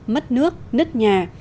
mất nước nứt nhà